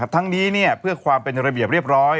ทั้งนี้เพื่อความเป็นระเบียบเรียบร้อย